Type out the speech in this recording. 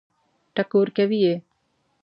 ټکور کوي یې.